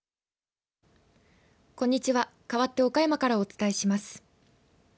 こんにちはかわって岡山からお伝えします。